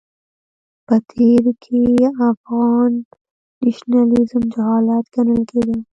په تېر کې افغان نېشنلېزم جهالت ګڼل کېده.